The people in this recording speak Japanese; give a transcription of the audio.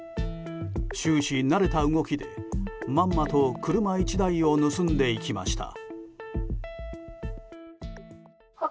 終始慣れた動きでまんまと車１台を盗んでいきました。